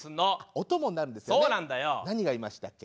何がいましたっけ？